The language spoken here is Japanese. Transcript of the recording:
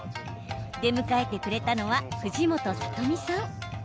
出迎えてくれたのは藤本智美さん。